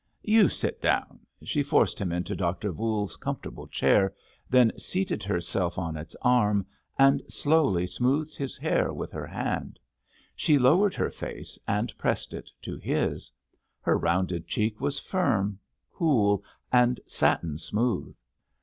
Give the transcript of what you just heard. "You sit down." She forced him into Dr. Voules's comfortable chair, then seated herself on its arm, and slowly smoothed his hair with her hand. She lowered her face and pressed it to his. Her rounded cheek was firm, cool and satin smooth.